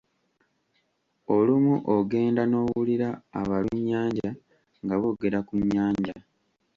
Olumu ogenda n’owulira abalunnyanja nga boogera ku nnyanja.